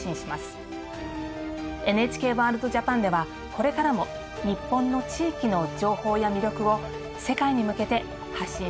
「ＮＨＫワールドＪＡＰＡＮ」ではこれからも日本の地域の情報や魅力を世界に向けて発信してまいります。